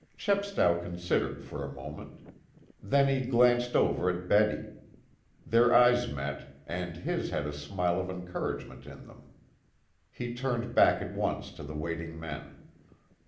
Chepstow considered for a moment. Then he glanced over at Betty. Their eyes met, and his had a smile of encouragement in them. He turned back at once to the waiting men.